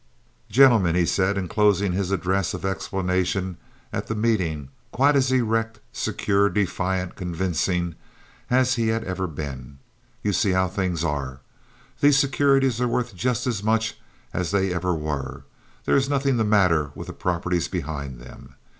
"Gentlemen," he said, in closing his address of explanation at the meeting, quite as erect, secure, defiant, convincing as he had ever been, "you see how things are. These securities are worth just as much as they ever were. There is nothing the matter with the properties behind them.